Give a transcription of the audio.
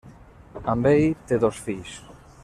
Amb ell té dos fills.